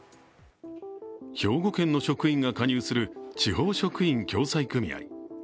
兵庫県の職員が加入する地方職員共済組合。